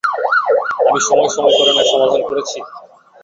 আমি সময় সমীকরণের সমাধান করেছি?